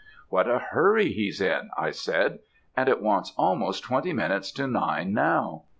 "'What a hurry he's in!' I said; 'and it wants almost twenty minutes to nine now.'